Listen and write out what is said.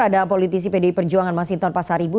ada politisi pdi perjuangan mas inton pasaribu